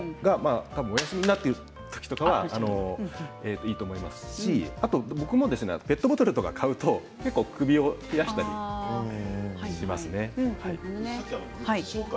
お休みになっている時とかはいいと思いますし僕もペットボトルとかを買うと結構、首を冷やしたりします。